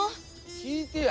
聞いてや。